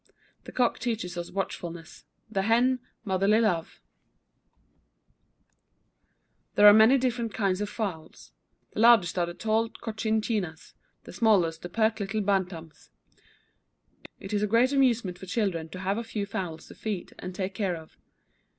The cock teaches us watchfulness; the hen, motherly love. [Illustration: THE COCK, THE HEN, AND THE CHICKENS.] There are many different kinds of fowls. The largest are the tall Cochin Chinas; the smallest the pert little Bantams. It is a great amusement for children to have a few fowls to feed, and take care of.